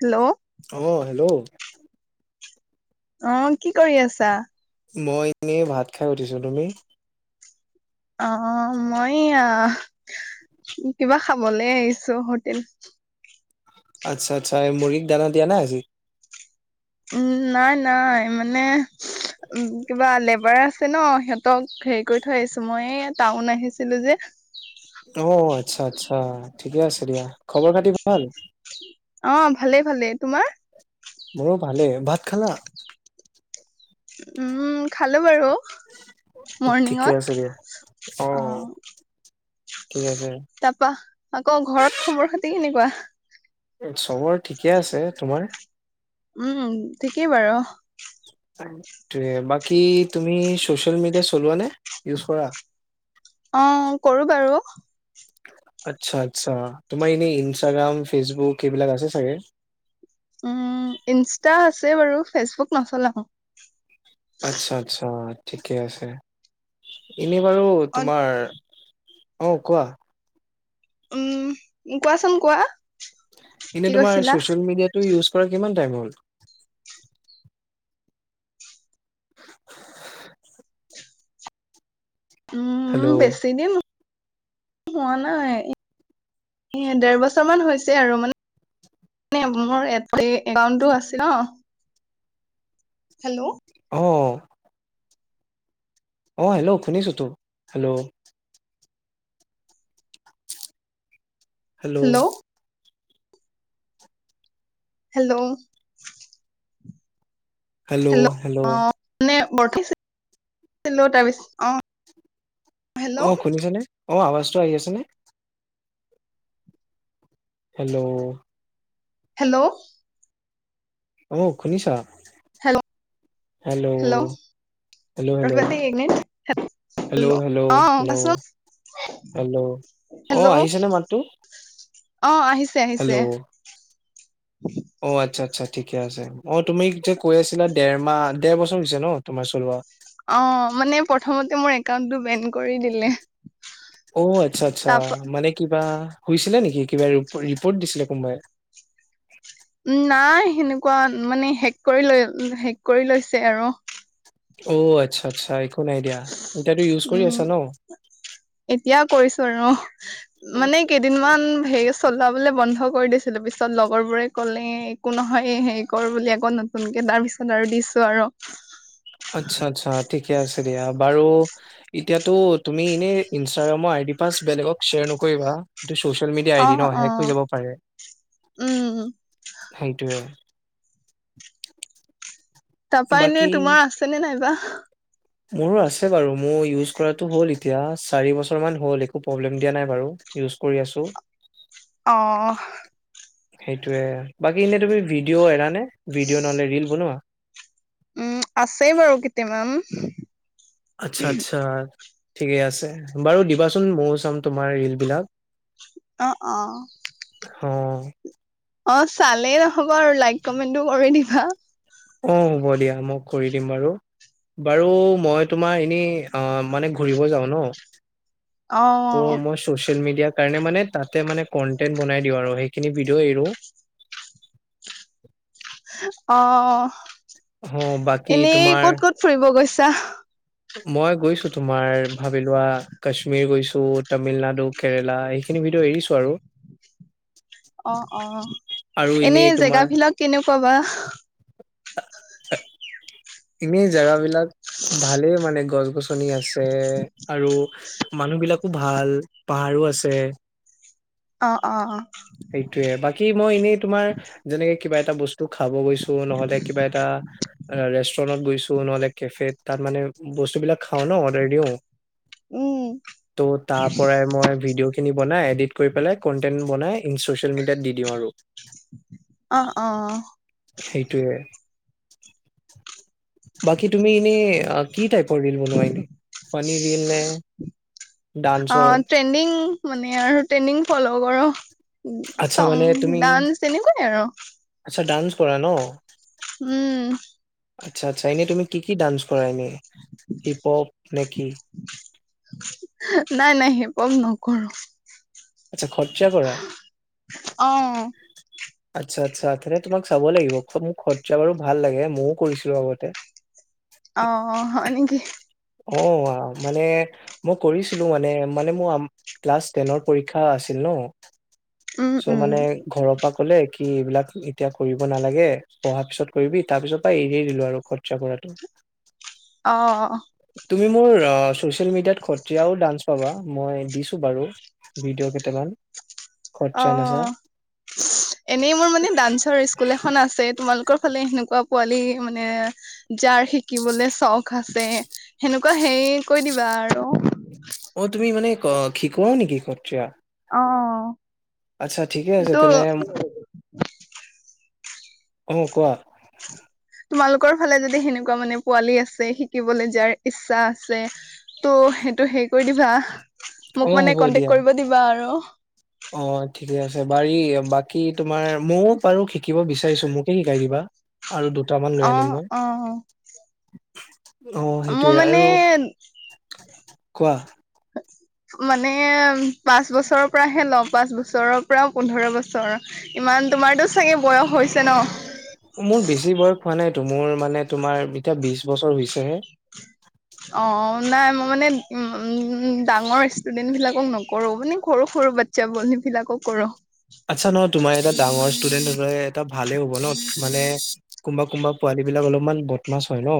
Hello অ অ', hello অ', কি কৰি আছা? মই এনেই ভাত খাই উঠিছোঁ, তুমি? অ', মই আ কিবা খাবলে আহিছোঁ হোটেল। আচ্ছা আচ্ছা এই মুৰ্গীক দানা দিয়া নাই আজি? উম, নাই নাই মানে, কিবা লেবাৰ আছ ন' সিহঁতক হেৰি কৰি থৈ আহিছোঁ মই এই টাউন আহিছিলো যে অ', আচ্ছা আচ্ছা, ঠিকে আছে দিয়া, খবৰ খাতি ভাল? অ', ভালে ভালে, তোমাৰ? মোৰো ভালে, ভাত খালা? উম, খালো বাৰু। ঠিকে আছে মৰ্ণিঙত, দিয়া অ, ঠিক আছে। তাৰপা আকৌ ঘৰত খবৰ খাতি কেনেকুৱা? চবৰ ঠিকে আছে, তোমাৰ? উম, ঠিকে বাৰু। বাকী তুমি, চ'চিয়েল মিডিয়া চলোৱা নে? ইউজ কৰা অ', কৰো বাৰু। আচ্ছা আচ্ছা, তোমাৰ এনেই ইনষ্টাগ্ৰাম, ফেচবুক, এইবিলাক আছে চাগে? উম, ইনষ্টা আছে বাৰু, ফেচবুক নচলাও। আচ্ছা আচ্ছা ঠিকে আছে, এনেই বাৰু অ তোমাৰ অ কোৱা? উম কোৱাচোন কোৱা? এনে কি তোমাৰ কৈছিলা ছচিয়েল মিডিয়াটো ইউজ কৰা কিমান টাইম হ'ল? উম, হেল্ল' বেছি দিন হোৱা নাই। এ দেৰ বছৰ মান হৈছে আৰু মানে [unintelligible] মোৰ এ একাউণ্টো আছে ন? হেল্ল' অ', অ', হেল্ল' শুনিছোতো, hello hello hello hello hello [unintelligible] hello [unintelligible] শুনিছেনে, অ, আৱাজটো আহি আছে নে? হেল্ল' হেল্ল' অ', শুনিছা? হেল্ল' হেল্ল' হেল্ল' ৰ'বা হেল্ল' দে এনে। হেল্ল' হেল্ল' হেল্ল' হেল্ল' অ, হেল্ল' আহিছেনে মাতটো? অ', আহিছে হেল্ল' আহিছে। অ', আচ্ছা আচ্ছা ঠিকে আছে অ, তুমি যে কৈ আছিলা দেৰ মাহ দেৰ বছৰ হৈছে ন' তোমাৰ চলোৱা? অ', মানে প্ৰথমতে মোৰ একাউণ্টটো বেন কৰি দিলে। অ', আচ্ছা আচ্ছা, তাৰপা মানে কিবা হৈছিলে নেকি কিবা ৰিপৰ্ট দিছিলে কোনোবাই? উ নাই সেনেকুৱা মানে হেক কৰি লৈ হেক কৰি লৈছে আৰু। অ আচ্ছা আচ্ছা একো নাই দিয়া। এতিয়াতো ইউজ কৰি উম আছা ন? এতিয়া কৰিছো আৰু অ মানে কেইদিনমান হেৰি চলাবলৈ বন্ধ কৰি দিছিলো পিছত লগৰ বোৰে ক'লে একো নহয় হেৰি কৰ বুলি আকৌ ন- নতুনকে দাৰ পিছত আৰু দিছো আৰ। আচ্ছা আচ্ছা ঠিকে আছে। দিয়া বাৰু এতিয়াতো তুমি এনে ইনষ্টাগ্ৰামৰ আইডি পাছ বেলেগক শ্বেয়াৰ নকৰিবা। এই ছচিয়েল মিডিয়া অ এদিন অ হেক হৈ যাব পাৰে। উম সেইটোয়ে তাপা বাকী এনেই তোমাৰ আছেনে নাইবা? মোৰো আছে বাৰু মোৰ ইউজ কৰাতো হ'ল এতিয়া চাৰি বছৰ মান হ'ল একো প্ৰব্লেম দিয়া নাই বাৰু। ইউজ কৰি আছোঁ। অ সেইটোয়ে বাকী এনেই তুমি ভিডিঅ' এৰা নে, ভিডিঅ' নহ'লে ৰিল বনোৱা? উম আছে বাৰু কেইটামান আচ্ছা আচ্ছা ঠিকে আছে বাৰু দিবাচোন ময়ো চাম তোমাৰ ৰিল বিলাক অ অ। অ। অ চালেই নহ'ব আৰু লাইক কমেন্টো কৰি দিবা। অ হ'ব দিয়া মই কৰি দিম বাৰু। বাৰু মই তোমাৰ এনেই অ মানে ঘূৰিব যাওঁ ন। অ ত মই ছচ- মিডিয়াৰ কাৰণে মানে তাতে মানে কন্টেন্ট বনাই দিওঁ আৰু সেইখিনি ভিডিঅ' এৰো। অহ। অ' বাকী এনেই ক'ত তোমাৰ ক'ত ফুৰিব গৈছা? মই গৈছো তোমাৰ ভাবি লোৱা কাশ্মীৰ গৈছো তো তামিলনাডু কেৰেলা এইখিনি ভিডিঅ এৰিছো আৰু অ অ আৰু এনে এনেই তোমাৰ জেগাবিলাক কেনেকুৱা বা এনেই জোগাবিলাক ভালেই মানে গছ গছনি আছে আৰু মানুহবিলাকো ভাল পাহাৰো আছে। অ অ সেইটোয়ে বাকী মই এনেই তোমাৰ যেনেকে কিবা এটা বস্ত- তো খাব গৈছো নহলে কিবা এটা ৰেষ্টুৰেণ্টত গৈছো নহ'লে কেফ তাত মানে বস্তুবিলাক খাওঁ ন অৰ্ডাৰ দিও। উম ত' তাৰ পৰাই মই ভিডিঅ' খিনি বনাই এডিট কৰি পেলাই কন্টেন্ট বনাই ই ছ'চিয়েল মিডিয়াত দি দিওঁ আৰু। অ অ সেইটোৱে বাকী তুমি এনেই কি টাইপৰ ৰীল বনোৱা এনে ফানী ৰীল নে অ ডান্সৰ ট্ৰেণ্ডিং মানে আৰু ট্ৰেণ্ডিং ফ'ল' কৰো। আচ্ছা চং মানে তুমি ডান্স এনেকুৱাই আৰু। আচ্ছা ডান্স কৰা ন উম আচ্ছ আচ্ছা এনে তুম কি কি ডাঞ্চ কৰা নি হিপ হপ নেকি? কৰোঁ। আচ্ছা খৰচা কৰা। অ আচ্ছা আচ্ছা তেনে তোমাক চাব লাগিব মোৰ খৰচা বাৰু ভাল লাগে। মও কৰিছিলো আগতে অ হয় নেকি? অ মানে মই কৰিছিলো মানে মানে মোৰ ক্লাছ টেনৰ পৰীক্ষা আছিল। ন উম চ উম ঘৰৰ পৰা কলে কি এইবিলাক এতিয়া কৰিব নালাগে পঢ়াৰ পিছত কৰিবি তাৰ পিছত পৰা এৰি দিলো আৰু খৰচা কৰাটো। [unintelligible] তুমি মোৰ ছচিয়েল মিডিয়াত সত্ৰীয়াও ডান্স পাবা মই দিছো বাৰু ভিডিঅ' কেইটামান [unintelligible] খৰচা না ছা এনেই মোৰ মানে ডান্সৰ স্কুল এখন আছে তোমালোকৰ ফালে সেনেকুৱা। পোৱালি মানে যাৰ শিকিবলে চখ আছে সেনেকুৱা হেৰি কৈ দিবা। আৰু অ তুমি মানে শিকোৱা নিকি সত্ৰীয়া অ আচ্ছা ঠিকে আছে ত তেনে। অ কোৱা। [unintelligible] তোমালোকৰ ফালে যদি সেনেকুৱা মানে পোৱালি আছে শিকিবলে যাৰ ইচ্ছা আছে ত'। সেইটো হেৰি কৰি দিবা অ মোক হ'ব মানে দিয়া কন্টেক্ট কৰিব দিবা আৰু। অ ঠিকে আছে বাৰী বাকী তোমাৰ ময়ও বাৰু শিকিব বিচাৰিছো মোকে শিকাই দিবা। আৰু দুটামান লৈ আনিম অ', মই। অ'। অ মই সেইটোৱে মানে আৰু কোৱা। মানে পাঁচ বছৰৰ পৰাহে লওঁ পাঁচ বছৰৰ পৰা পোন্ধৰ বছৰ ইমান। তোমাৰতো চাগে বয়স হৈছে ন। মোৰ বেছি বয়স হোৱা নাইতো মোৰ মানে তোমাৰ এতিয়া বিছ বছৰ হৈছেহে। অ নাই মই মানে উম ডাঙৰ ষ্টুডেন্ট বিলাক। নকৰো মানে সৰু সৰু বাচ্ছা বোৰ সেবিলাক কৰো। আচ্ছা নহয় তোমাৰ এটা ডাঙৰ ষ্টুডেন্ট হলে এটা ভালে হ'ব ন মানে। কোনবা কোনবা পোৱালী বিলাক অলপমান বদ মাছ হয় ন।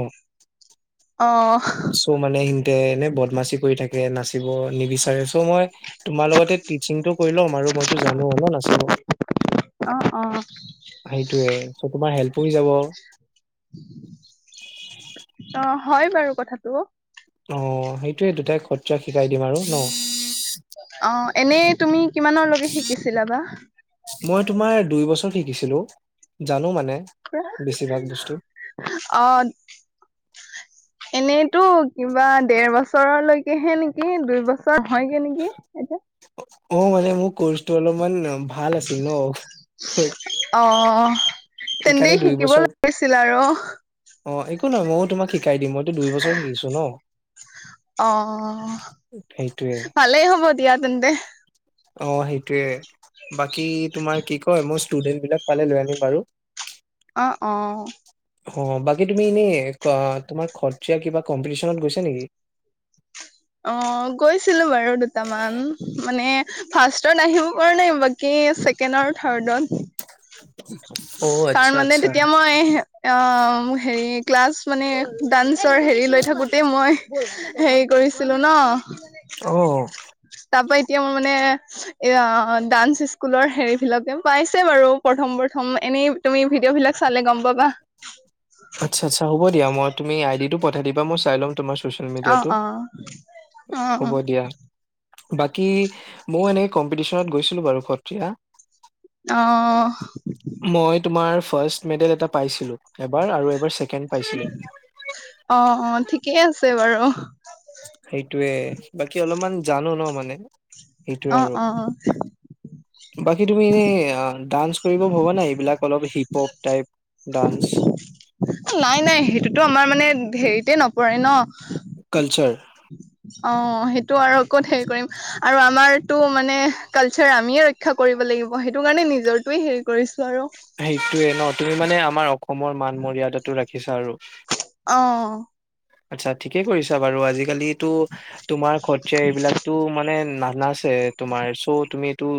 অ'। চ' মানে সিনতে এনে বদমাচি কৰি থাকে নাচিব নিবিচাৰে চ' মই। তোমাৰ লগতে টিচিংটো কৰি ল'ম আৰু মইতো জানো ন নাচিব। অ', অ'। সেইটোয়ে চ তোমাৰ হেল্পো হৈ যাব। অ', হয় বাৰু কথাটো। অ সেইটোয়ে দুটাই খৰচাক শিকাই দিম আৰু ন। অ এনে তুমি কিমানৰ লৈকে শিকিছিলা বা। দিছিলো জানো মানে। বেছিভাগ বস্তু অ এনে। তো কিবা ডেৰ বছৰলৈকেহে নিকি দুই বছৰত। হয় গে নিকি এতিয়া। অ মানে মোৰ কৰ্চটো অলপমান ভাল আছিল ন। অ তেন্তে সেইকাৰণে দুই শিকিব বছৰ লাগিছিল আৰু। অ একো নহয় ময়ো তোমাক শিকাই দিম মইতো দুই বছৰ শিকিছো ন। অ সেইটোয়ে ভালেই হ'ব দিয়া তেন্তে। অ সেইটোয়ে বাকী তোমাৰ কি কয় মৌচ্। ষ্টুডেন্ট বিলাক পালে লৈ আনিম বাৰু অ অ অ বাকী তুমি এনে-কুৱা তোমাৰ খৰচ্চা কিবা কম্পিটিচনত গৈছা নিকি? অ গৈছিলো বাৰু দুটামান মানে। ফাৰ্ষ্টত আহিব পৰা নাই বাকী ছেকেণ্ড আৰু থাৰ্ডত। অ কাৰণ আচ্ছা মানে আচ্ছা তেতিয়া মই অ মো হেৰি ক্লাছ। মানে ডান্সৰ হেৰি লৈ থাকোতে মই হেৰি কৰিছ ছিলো ন অ তাপাইত। এতিয়া মোৰ মানে এ ডান্স স্কুলৰ হেৰি বিলাকে পাইছে বাৰু প্ৰথম প্ৰথম এ এনেই তুমি ভিডিঅ' বিলাক চালে গম পাবা। আচ্ছা আচ্ছা হ'ব দিয়া মই তুমি আই ডি টো পঠাই দিবা মই চাই ল'ম। তোমাৰ চচিয়েল অ মিডিয়াটো অ অ হব দিয়া। বাকী মও এনেকে কম্পিটিশনত গৈছিলো বাৰু সত্ৰীয়া। অহ মই তোমাৰ ফাৰ্ষ্ট মেডেল এটা পাইছিলো এবাৰ আৰু ছেকেণ্ড। পাইছিলো অ অ ঠিকেই আছে বাৰু। সেইটোৱে বাকী অলপমান জানো ন মানে। সেইটোৱে অ আৰু অ বাকী তুমি ডান্স কৰিব ভবা নাই এইবিলাক অলপ হিপ হপ টাইপ ডান্স। নাই নাই সেইটোতো আমাৰ মানে হেৰিতে নপৰে ন। কালচাৰ। অ সেইটো আৰু কত হেৰি কৰিম আৰু আমাৰতো মানে কালচাৰ আমিয়ে ৰক্ষা কৰিম। লাগিব সেইটো কাৰণে নিজৰটোৱে হেৰি কৰিছ- সেইটোয়ে ন তুমি মানে আমাৰ অ- সমৰ মান মৰিয়াটো ৰাখিছা আৰু। অ আচ্ছা ঠিকে কৰিছা বাৰু আজিকালিটো তোমাৰ খৰছা এইবিলাকতো মানে নানাচ তোমাৰ চ' তুমি এইটো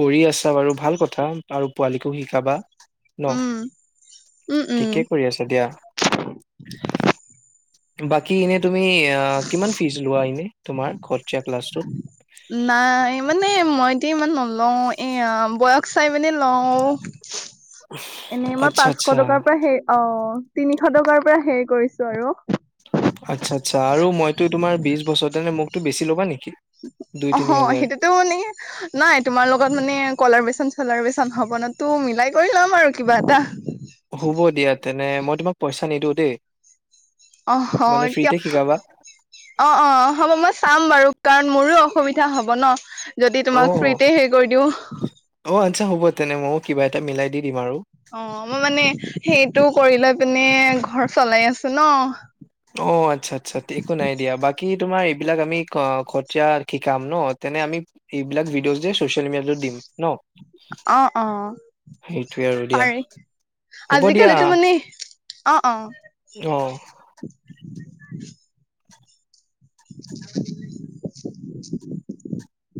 কৰি আছা বাৰু ভাল কথা আৰু পোৱালীকো শিকাবা। ন, উম উম উম ঠিকে কৰি আছে দিয়া। [inaudible] বাকী এনে তুমি কিমান ফিজ লোৱা এনে তোমাৰ ক্লাছটো নাই মানে মই ইতে ইমান নলও এয়া বয়স চাই মানে লওঁ। এনে মই আচ্ছা পাঁচশ আচ্ছা টকাৰ পৰা হেই অ তিনিশ টকাৰ পৰা হেৰি কৰিছো আৰু। আচ্ছা আচ্ছা আৰু মইতো তোমাৰ বিশ বছৰ তেনে মোকতো বেছি ল'বা নেকি? দুই অ তিনি হাজাৰ সেইটোতো মানে ন তোমাৰ লগত মানে কলাৰ বেচন ছলাৰ বেচন হব ন তো মিলাই কৰি লম আৰু কিবা এটা। মানে মই তোমাক পইচা নিদিওঁ দেই। অ মানে হয় কিয়, ফ্ৰীতে শিকাবা অ অ হ'ব মই চাম বাৰু কাৰণ মোৰো অসুবিধা হ'ব ন যদি অ তোমাক ফ্ৰীতে হেৰি কৰি দিওঁ। অ আচ্ছা হ'ব তেনে ময়ো কিবা এটা মিলাই দি দিম আৰু। অ মই মানে সেইটো কৰি লৈ পিনে ঘৰ চলাই আছো ন। অ', আচ্ছা আচ্ছা একো নাই দিয়া বাকী তোমাৰ এইবিলাক আমি খতিয়া শিকাম ন তেনে আমি এইবিলাক ভিডিঅ' যে চচিয়েল মিডিয়াটো দিম। ন অ অ সেইটোৱে আৰু দিয়া পাৰি হ'ব আজিকালিতো মানে অ অ। অহ [inaudible] [inaudible]